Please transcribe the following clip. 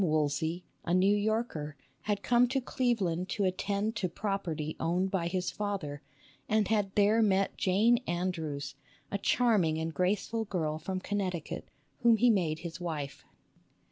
Woolsey, a New Yorker, had come to Cleveland to attend to property owned by his father, and had there met Jane Andrews, a charming and grace ful girl from Connecticut, whom he made his wife.